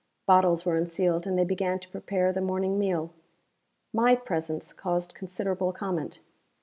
Bottles were unsealed and they began to prepare the morning meal. My presence caused considerable comment.